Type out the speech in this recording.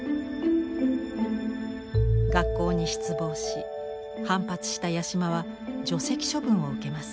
学校に失望し反発した八島は除籍処分を受けます。